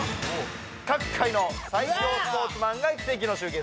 各界の最強スポーツマンが奇跡の集結